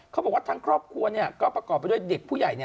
เขาบอกว่าทั้งครอบครัวก็ประกอบไปด้วยเด็กผู้ใหญ่